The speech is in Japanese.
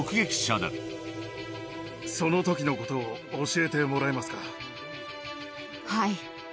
その時のことを教えてもらえはい。